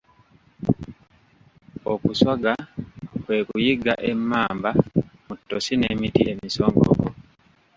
Okuswaga kwe kwe kuyigga emmamba mu ttosi n'emiti emisongovu